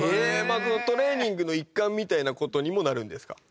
トレーニングの一環みたいな事にもなるんですか？